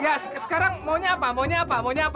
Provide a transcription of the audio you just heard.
ya sekarang maunya apa maunya apa maunya apa